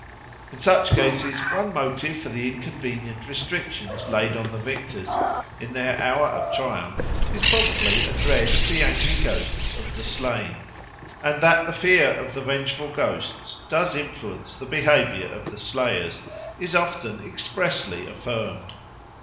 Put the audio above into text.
In such cases one motive for the inconvenient restrictions laid on the victors in their hour of triumph is probably a dread of the angry ghosts of the slain; and that the fear of the vengeful ghosts does influence the behaviour of the slayers is often expressly affirmed.